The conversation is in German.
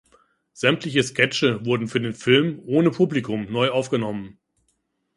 Sämtliche Sketche wurden für den Film ohne Publikum neu aufgenommen.